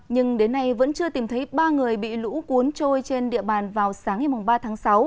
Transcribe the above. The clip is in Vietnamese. nhưng đến nay vẫn chưa tìm thấy ba người bị lũ cuốn trôi trên địa bàn vào sáng ngày ba tháng sáu